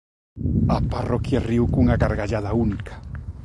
A parroquia riu cunha gargallada única.